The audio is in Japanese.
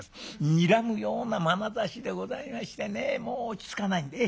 にらむようなまなざしでございましてねもう落ち着かないんでええ。